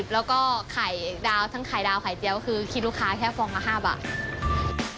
แล้วก็ไข่ดาวทั้งไข่ดาวไข่เจี๊ยวคือคิดลูกค้าแค่ฟองละ๕บาท